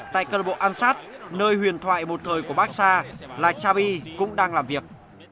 tại cơ bộ ansat nơi huyền thoại một thời của baxa là chabi cũng đang làm việc